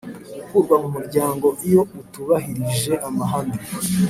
gukurwa mu muryango iyo atubahirije amahame